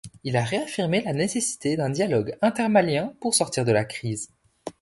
Il a réaffirmé la nécessité d'un dialogue inter-malien pour sortir de la crise.